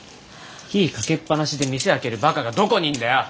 火かけっ放しで店空けるバカがどこにいんだよ！